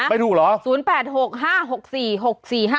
ไม่ถูกเหรอ